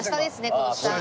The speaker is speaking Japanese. この下。